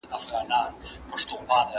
ناسمه غذا د ټولنې اخلاق خرابوي.